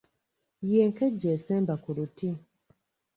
Ye nkejje esemba ku luti.